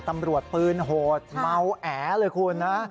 ตำรวจปืนโหดเมาแอเลยคุณนะ